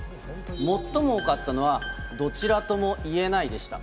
最も多かったのは、どちらともいえないでした。